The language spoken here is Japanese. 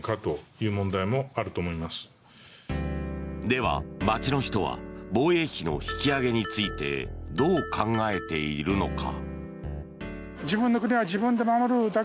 では、街の人は防衛費の引き上げについてどう考えているのか。